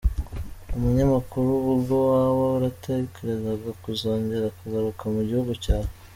Umunyamakuru: Ubwo waba waratekerezaga kuzongera kugaruka mu gihugu cyawe?.